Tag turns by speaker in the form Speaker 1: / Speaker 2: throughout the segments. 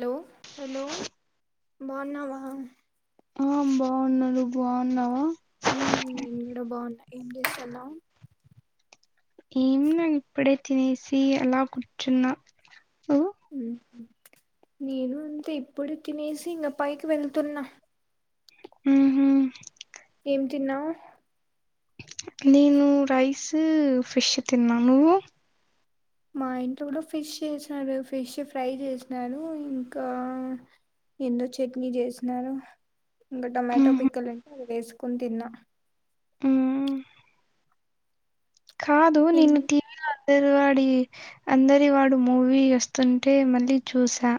Speaker 1: Hello
Speaker 2: hello
Speaker 1: బావున్నావా
Speaker 2: ఆ బావున్నా నువ్ బావున్నావా
Speaker 1: మ్ నేను గుడా బాగున్నా ఏం చేస్తన్నావ్
Speaker 2: ఏం లే ఇప్పుడే తినేసి అలా కూర్చున్నా నువ్వు
Speaker 1: నేను అంతే ఇప్పుడు తినేసి ఇంకా పైకి వెళుతున్నా
Speaker 2: మ్ హ
Speaker 1: ఏం తిన్నావు
Speaker 2: నేను రైస్ ఫిష్ తిన్నా నువ్వు
Speaker 1: మా ఇంట్లో కూడా ఫిష్ చేశారు ఫిష్ ఫ్రై చేసినారు ఇంకా ఏందో చట్నీ చేసినారు ఇంకా టమాటో
Speaker 2: ఉహు
Speaker 1: పిక్కలుంటే అది వేసుకొని తిన్నా
Speaker 2: మ్ కాదు
Speaker 1: ఏం-
Speaker 2: నిన్ను తి అందరి వాడి అందరి వాడు మూవీ వస్తుంటే మళ్ళీ చూసా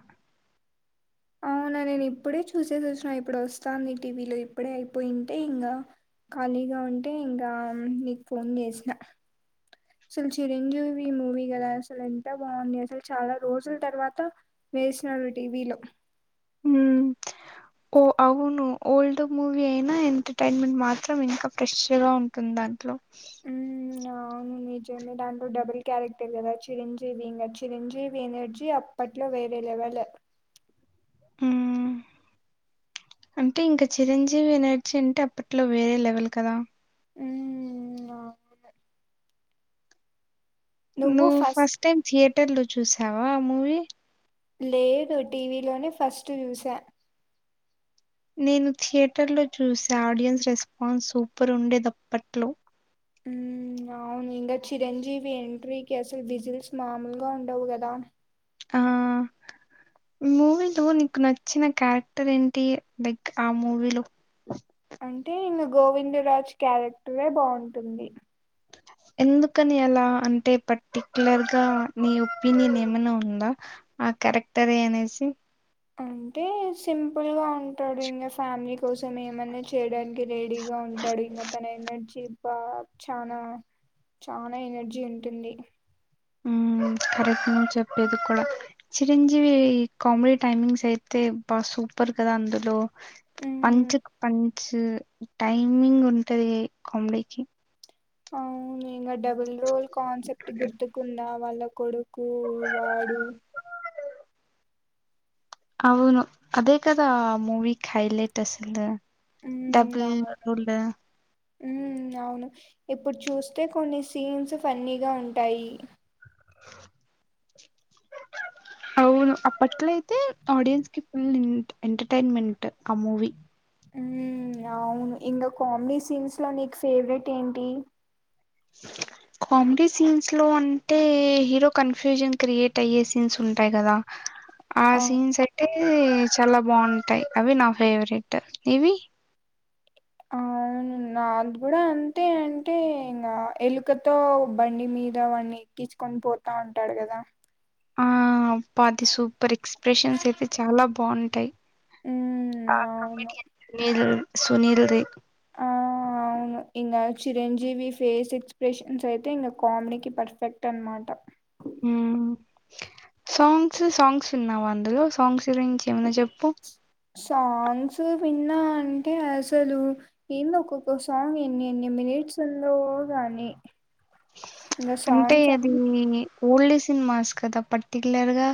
Speaker 1: అవునా నేను ఇప్పుడే చూసేసి వచ్చిన ఇప్పుడు వస్తాంది టీవీలో ఇప్పుడే అయిపోయింటే ఇంగా ఖాళీగా ఉంటే ఇంకా నీకు ఫోన్ చేసిన అసల్ చిరంజీవి మూవీ గదా అసలెంత బాగుంది అసల్ చాలా రోజుల్తర్వాత వేసినరు టీవీలో
Speaker 2: ఒ అవును ఓల్డ్ మూవీ అయినా ఎంటర్టైన్మెంట్ మాత్రం ఇంకా ఫ్రెష్ గా ఉం తుందట్లో
Speaker 1: ఊమ్ ఆ అవును నిజమే దాంట్లో డబుల్ క్యారెక్టర్ గదా చిరంజీవి ఇంగ చిరంజీవి ఎనర్జీ అప్ అప్పట్లో వేరే లెవెల
Speaker 2: అంటె ఇంక చిరంజీవి ఎనర్జీ అంటే అప్పట్లో వేరే లెవెల్ కదా
Speaker 1: ఊమ్ అవున్
Speaker 2: నువ్వు ఫస్ట్టైమ్ థియేటర్లో చూసావ ఆ మూవీ
Speaker 1: లేదు టీవీలోనే ఫస్ట్ జూస
Speaker 2: నేను థియేటర్లో చూసా ఆడియన్స్ రెస్పాన్స్ సూపర్ ఉండేదప్పట్లో
Speaker 1: ఊమ్ అవును ఇంగ చిరంజీవి ఎంట్రీకి అసల్ విజిల్స్ మాముల్గ ఉండవు గదా
Speaker 2: ఆహ్ ఇ మూవీలో నీక్ నచ్చిన క్యారెక్టర్ ఏంటి లైక్ ఆ మూవిలో
Speaker 1: అంటే ఇంగ గోవింద రాజ్ క్యారెక్టరే బాంటుంది
Speaker 2: ఎందుకని అలా అంటే పర్టికులర్ గా నీ ఒపీనియన్ ఏమన ఉందా ఆ క్యారెక్టరే అనేసి
Speaker 1: అంటే సింపుల్ గా ఉంటాది ఇంగ ఫ్యామిలి కోసం ఏమన్నా చేయడానికి రెడీగా ఉంటాడు ఇంగ తన ఎనర్జీ బా ఛాన ఛాన ఎనర్జీ ఉంటుంది
Speaker 2: ఆమ్ కరెక్ట్ నువ్ చెప్పేది కుడ చిరంజీవి కామిడీ టైమింగ్సైతే అబ్బ సూపర్ కదా అందులో
Speaker 1: మ్
Speaker 2: పంచుక్ పంచ్ టైమింగ్ ఉంటది కామ్డికి
Speaker 1: అవును ఇంగ డబుల్ రోల్ కాన్సెప్ట్ గుర్తుకుందా వాళ్ళ కొడుక్ కూ వాడు
Speaker 2: ఔను అదే కదా మూవిక్హైలైట్ అసల్ డబుల్ [unintelligible]
Speaker 1: ఊమ్ అవును ఇప్పుడ్ చూస్తే కొన్ని సీన్స్ ఫన్నీగా ఉంటాయి ఆ
Speaker 2: అవును అప్పట్లైతే ఆడియన్స్ కి ఫుల్ ఇన్ ఎంటర్టైన్మెంట్ ఆ మూవీ
Speaker 1: ఊమ్ అవున్ ఇంగ కామ్డీ సీన్స్లో నీకు ఫేవ్రెట్ ఏంటి ఆ
Speaker 2: కామ్డీ సీన్స్లో అంటే హీరో కన్ఫ్యూజన్ క్రియేట్ అయ్యే సీన్స్ ఉంటాయి గదా ఆ సీన్స్యితే చలా బాంటయ్ అవి నా ఫేవరెట్ ఇవి
Speaker 1: ఆ ఔను నాద్గుడా అంతే అంటే ఇంగ ఎలుకతో బండి మీద వాణ్ణి కీచ్కొన్ పోతాంటడ్ గదా
Speaker 2: ఆ పాతి సుపర్ ఎక్స్ప్రెషన్సైతే చాలా బాంటాయి
Speaker 1: ఉమ్
Speaker 2: ఆ
Speaker 1: అవును
Speaker 2: కమిడియన్ సునీల్ సునీల్ది
Speaker 1: ఆఆ ఔను ఇంగ చిరంజీవి ఫేస్ ఎక్స్ప్రెషన్స్యితే ఇంగ కామ్డీకి పర్ఫెక్ట్ అన్మాట
Speaker 2: హుమ్ సాంగ్స్ సాంగ్స్ ఉన్నావా అందులో సాంగ్స్ ఉరించి ఏమన్నా జెప్పు
Speaker 1: సాంగ్స్ విన్నా అంటే అసలు ఏందో ఒక్కొక్క సాంగ్ ఎన్ని ఎన్ని మినిట్స్లో ఉందో గానీ
Speaker 2: అంటే అది ఓల్డ్స్ సినీమాస్ కదా పర్టిక్యులర్ గా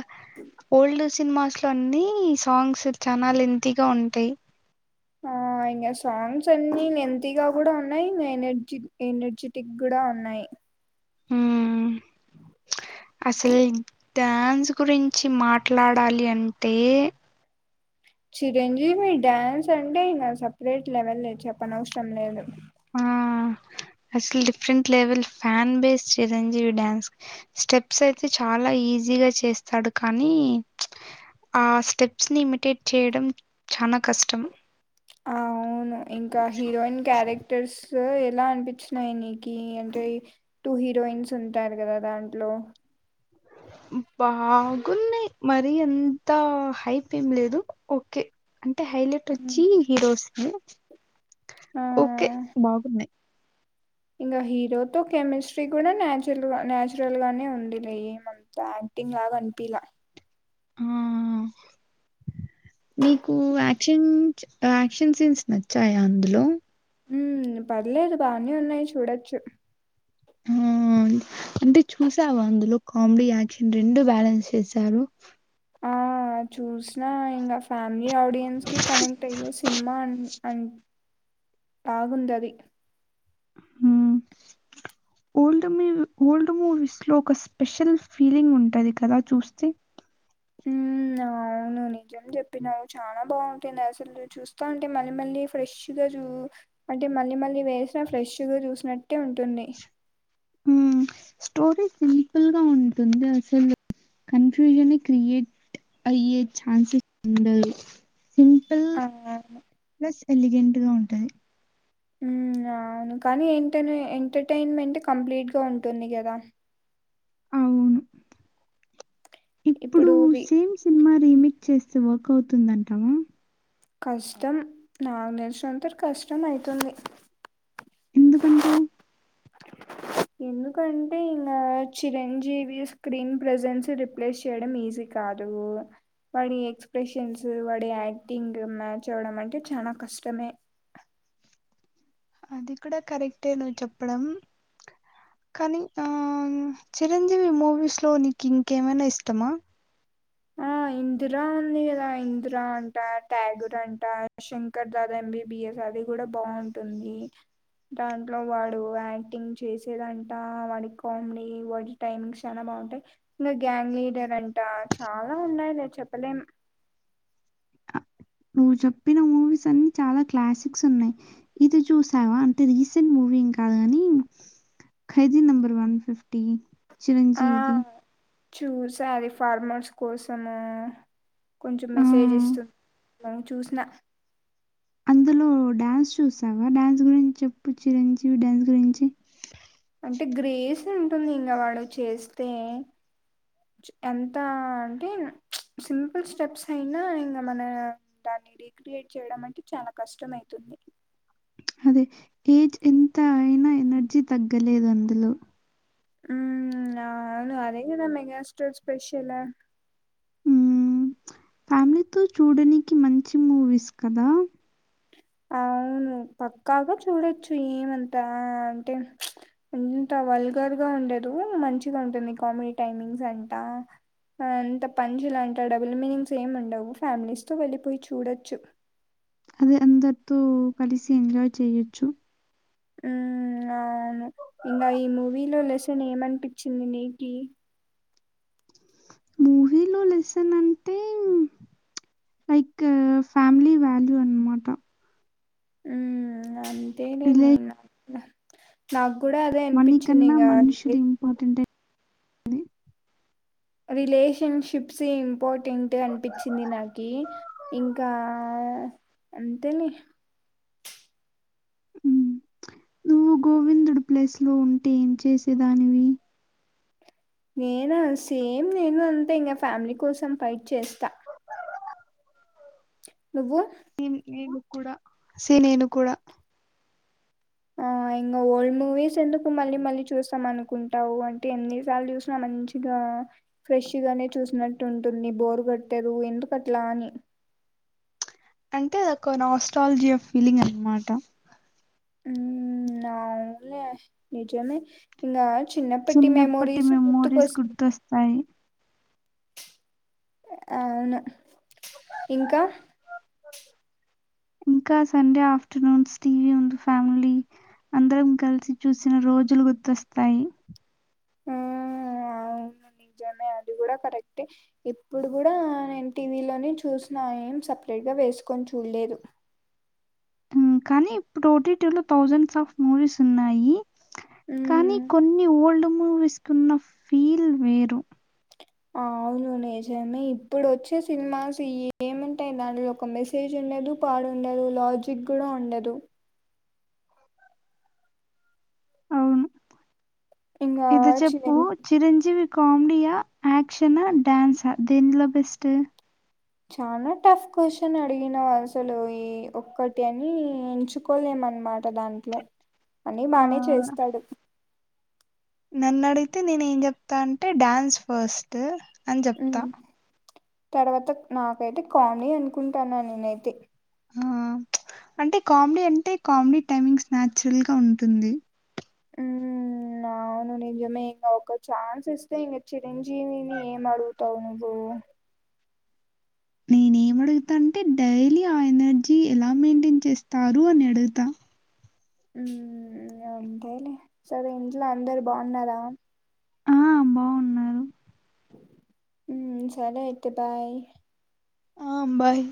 Speaker 2: ఓల్డ్ సినిమాస్ లో అన్ని సాంగ్స్ చానా లెంతీగా ఉంటాయి
Speaker 1: ఆ ఇంగ సాంగ్స్ అన్ని లెంతీ గా కూడా ఉన్నాయి ఇంగ ఎనర్జ ఎనర్జెటిక్ కూడా ఉన్నాయి
Speaker 2: హ్మ్. అసలు డ్యాన్స్ కూడా ఇం చ్చి మాట్లాడాలి అంటే
Speaker 1: చిరంజీవి డ్యాన్స్ అంటే ఇంగ సపరేట్ లెవెల్ లే చెప్పనవసరం లేదు ఆ
Speaker 2: అసలు different level fan based Chiranjeevi dance steps అయితే చాలా ఈజీగా చేస్తాడు కానీ ఆ స్టెప్స్ ని ఇమిటేట్ చేయడం చానా కష్టం
Speaker 1: ఆ అవును ఇంకా హీరోయిన్ క్యారెక్ట క్టర్స్ ఎలా అనిపించినయి నీకి అంటే టూ హీరోయిన్స్ ఉంటారు కదా దాంట్లో
Speaker 2: బాగున్నాయి మరి ఎంత హైప్ ఏం లేదు ఓకే అంటే హైలేట్ ట్
Speaker 1: ఉమ్.
Speaker 2: వచ్చి హీరోస్ ఏ
Speaker 1: ఆ
Speaker 2: ఓకే బాగున్నాయి
Speaker 1: ఇంకా హీరోతో కెమిస్ట్రీ కూడా నచురల్గా నచురల్ గానే ఉంది లే ఏమంత యాక్టింగ్ లాగా అనిపిలా
Speaker 2: ఆ
Speaker 1: ఆ
Speaker 2: నీకు యాక్షన్ యాక్షన్ సీన్స్ నచ్చాయా అందులో
Speaker 1: ఉ పర్లేదు బానే ఉన్నాయి చూడొచ్చు
Speaker 2: ఉ అంటే చూసావు అందులో కామెడీ యాక్షన్ రెండు బ్యాలెన్స్ చేశారు
Speaker 1: ఆ చూసిన ఇంగా ఫ్యామిలీ ఆడియన్స్కి కనెక్ట్ అయ్యే సినిమా అనీ అన్ బాగుంది అది
Speaker 2: మ్మ్
Speaker 1: ఆ
Speaker 2: ఓల్డ్ మూవీ ఓల్డ్ మూవీస్ లో ఒక స్పెషల్ ఫీలింగ్ ఉంటది కదా చూస్తే
Speaker 1: ఊ అవును ను్వు నిజం చెప్పినావు చాలా బాగుంటుంది అసలు చూస్తా ఉంటే మళ్ళీ మళ్ళీ ఫ్రెష్ గా చూ అంటే మళ్ళీ మళ్ళీ వేసినా ఫ్రెష్ గా చూసినట్టే ఉంటుంది
Speaker 2: ఉ స్టోరీ సింపుల్ గా ఉంటుంది అసలు కానీ కన్ఫ్యూజన్ నే క్రియేట్ అయ్యే ఛాన్సెస్ ఉండదు సింపుల్
Speaker 1: అవును
Speaker 2: ప్లస్ ఎలిగెంట్ గా ఉంటది
Speaker 1: ఉ అవును కానీ ఏంటనే ఎంటర్టన్మెంట్ కంప్లీట్ గా ఉంటుంది కదా
Speaker 2: అవును
Speaker 1: ఇప్పుడు వి
Speaker 2: సినిమా రీమేక్ చేస్తే వర్క్ అవుతుందంటావా
Speaker 1: కష్టం నాకు తెలిచిన అంత వరకు కష్టం అవుతుంది
Speaker 2: ఎందుకు అంటావ్
Speaker 1: ఎందుకంటే ఇంగ చిరంజీవి స్క్రీన్ ప్రెజెన్స్ రిప్లేస్ చేయడం ఈజీ కాదు వాడి ఎక్స్ప్రెషన్స్ వాడి యాక్టింగ్ మ్యాచ్ అవ్వడం అంటే చానా కష్టమే
Speaker 2: అది కూడా కరెక్టే నువ్ చెప్పడం కానీ ఆ చిరంజీవి మూవీస్ లో నీకు ఇంకేమైనా ఇష్టమా
Speaker 1: ఆ ఇందిరా ఉంది కదా ఇందిరా అంట ట్యాగూర్ అంట శంకర్ శంకర్ దాదా ఎంబీబిఎస్ అది కూడా బాగుంటుంది దాంట్లో వాడు యాక్టింగ్ చేసేదంట వాడి కామెడీ వాడి టైమింగ్ చాలా బాగుంటాయి ఇంకా గ్యాంగ్ లీడర్ అంట చాలా ఉన్నాయి లే చెప్పలేం
Speaker 2: నువ్వు చెప్పిన మూవీస్ అన్నిీ చాలా క్లాసిక్స్ ఉన్నాయి ఇది చూసావా అంటే రీసెంట్ మూవీ ఏం కాదు కాని Khaidi number one fifty Chiranjeevi ది
Speaker 1: చూస అది ఫార్మర్స్ కోసము కొంచెం మెసేజ్
Speaker 2: ఆహ్,
Speaker 1: ఇస్తుంది మను చూసిన
Speaker 2: అందులో డ్యాన్స్ చూసావా డ్యాన్స్ గురించి చెప్పు చిరంజీవి డ్యాన్స్ గురించి
Speaker 1: అంటే గ్రేస్ ఉంటుంది ఇంకా వాడు చేస్తే ఎంత అంటే సింపుల్ స్టెప్స్ అయినా ఇంకా మన దాన్ని రక్రియేట్ చేయడం అంటే చాలా కష్టం అవుతుంది
Speaker 2: అదే ఏజ్ ఎంత అయినా ఎనర్జీ తగ్గలేదు అందులో
Speaker 1: ఉమ్ అవును అదేగదా మెగాస్టార్ స్పెషల్
Speaker 2: ఉమ్ ఫ్యామిలీతో చూడనికి మంచి మూవీస్ కదా
Speaker 1: అవును పక్కాగా చూడొచ్చు ఏమంతా అంటే ఇంత వల్గర్ గా ఉండదు మంచిగా ఉంటుంది కామెడీ టైమింగ్స్ అంతా అంత పంజు లాంటి ఆ డబుల్ మీనింగ్స్ ఏం ఉండవు ఫ్యామిలీస్తో వెళ్ళిపోయి చూడొచ్చు
Speaker 2: అది అందర్తో కలిసి ఎంజాయ్ చేయొచ్చు
Speaker 1: అవును ఇంకా ఈ మూవీలో లెసన్ ఏమనిపించింది నీకి
Speaker 2: మూవీలో లెసన్ అంటే లైక్ ఫ్యామిలీ వాల్యూ అనమాట
Speaker 1: ఉ అంతేనే
Speaker 2: రిలే
Speaker 1: నేను నాకు కూడా అదే
Speaker 2: మనీ
Speaker 1: అనిపించింది
Speaker 2: కన్నా
Speaker 1: ఇంకా
Speaker 2: మనుషులు ఇంపార్టెంట్ అనేది.
Speaker 1: రిలేషన్షిప్స్ ఇంపార్టెంట్ అనిపించింది నాకి ఇంకా అంతేలే
Speaker 2: ఉమ్ నువ్వు గోవిందుడు ప్లేస్ లో ఉంటే ఏం చేసేదానివి
Speaker 1: నేనా సేమ్ నేను అంతే ఇంకా ఫ్యామిలీ కోసం ఫైట్ చేస్తా నువ్వు
Speaker 2: సేమ్ నేను కూడా సేమ్ నేను కూడా
Speaker 1: ఆ ఇంకా ఓల్డ్ మూవీస్ ఎందుకు మళ్ళీ మళ్ళీ చూస్తాం అనుకుంటావు అంటే ఎన్ని సార్లు చూసినా మంచి గా ఫ్రెష్ గానే చూసినట్టు ఉంటుంది బోరు కట్టారు ఎందుకు అట్లా అని
Speaker 2: అంటే అదొక్క నా ఆస్ట్రాలజీ ఆఫ్ ఫీలింగ్ అనమాట
Speaker 1: ఆ అవునులే నిజమే నా చిన్నప్పటి మెమోరీస్ గుర్తుకొస్తా
Speaker 2: నై
Speaker 1: అవును ఇంకా
Speaker 2: ఇంకా సండే ఆఫ్టర్నూన్స్ టీవీ ఉంది ఫ్యామిలీ అందరం కలిసి చూసిన రోజులు గుర్తొస్తాయి
Speaker 1: ఆ అవును నిజమే అది కూడా కరెక్టే ఇప్పుడు కూడా నేను టీవీలోనే చూసిన ఏం సపరేట్ గా వేసుకొని చూడలేదు
Speaker 2: ఉమ్, కానీ ఇప్పుడు ఓటిటిలో థౌజండ్స్ ఆఫ్ మూవీస్ ఉన్నాయి
Speaker 1: ఉం
Speaker 2: కానీ కొన్ని ఓల్డ్ మూవీస్కున్న ఫీల్ వేరు
Speaker 1: అవును నిజమే ఇప్పుడు వచ్చే సినిమాస్ ఏముంటాయి దానిలో ఒక మెస్ మెసేజ్ ఉండదు పాడుండదు లాజిక్ కూడా ఉండదు
Speaker 2: అవును
Speaker 1: ఇంగా
Speaker 2: ఇది చెప్పు
Speaker 1: చిన్న
Speaker 2: చిరంజీవి కామెడియా యాక్షనా డ్యాన్సా దేంట్లో బెస్ట్
Speaker 1: చాలా టఫ్ క్వశ్చన్ అడిగినవు అసలు ఈ ఒక్కటి అని ఎంచు కోలేమనమాట దాంట్లో అన్ని బానే
Speaker 2: ఆ
Speaker 1: చేస్తాడు
Speaker 2: నన్ను అడిగితే నేను ఏం చెప్తా అంటే డాన్స్ ఫస్ట్ అని జెప్తా
Speaker 1: ఉమ్, తర్వాత నాకైతే కామ్నీ అనుకుంటానా నేనైతే
Speaker 2: ఆ అంటే కామెడీ అంటే కామెడీ టైమింగ్స్ నాచురల్ గా ఉంటుంది
Speaker 1: ఉమ్ న అవును నిజమే ఇంక ఒక ఛాన్స్ ఇస్తే ఇంగ చిరంజీవిని ఏం అడుగుతావు నువ్వు
Speaker 2: నేనే ఏం అడుగుతా అంటే డైలీ ఆ ఎనర్జీ ఎలా మెయింటైన్ చేస్తారు అని అడుగుతా
Speaker 1: ఉమ్ అంతేలే సరే ఇంట్లో అందరు బాగున్నారా
Speaker 2: ఆ బాగున్నారు
Speaker 1: ఉం సరే అయితే బాయ్
Speaker 2: ఆ బాయ్